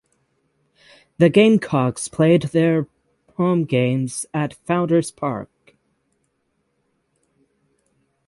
The Gamecocks played their home games at Founders Park.